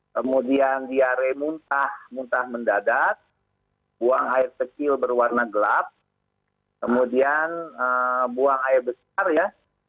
kemudian diare muntah muntah mendadak buang air kecil berwarna gelap kemudian buang air besar ya